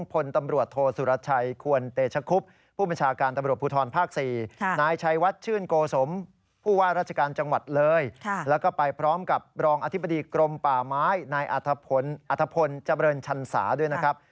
ฝ่าไม้ในอาทธพลอาทธพลเจ้าเบิร์นชันศาด้วยนะครับ